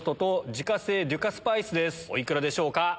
お幾らでしょうか？